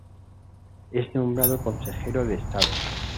Es nombrado consejero de Estado.